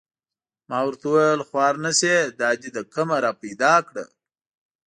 ما ورته و ویل: خوار نه شې دا دې له کومه را پیدا کړه؟